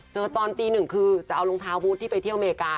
ตอนตีหนึ่งคือจะเอารองเท้าบูธที่ไปเที่ยวอเมริกา